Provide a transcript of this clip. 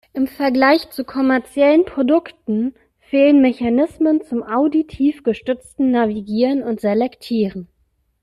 Im Vergleich zu kommerziellen Produkten fehlen Mechanismen zum auditiv gestützten Navigieren und Selektieren.